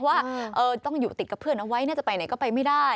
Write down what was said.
ว่าต้องอยู่ติดกับเพื่อนเอาไว้น่าจะไปไหนก็ไปไม่ได้